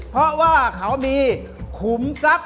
เพราะว่าเขามีขุมสัก